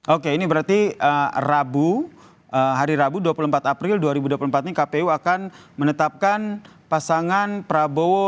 oke ini berarti hari rabu dua puluh empat april dua ribu dua puluh empat ini kpu akan menetapkan pasangan prabowo